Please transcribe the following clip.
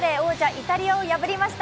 イタリアを破りました。